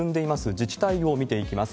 自治体を見ていきます。